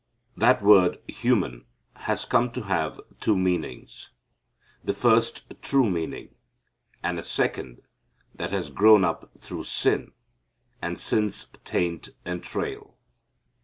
That word human has come to have two meanings. The first true meaning, and a second, that has grown up through sin, and sin's taint and trail.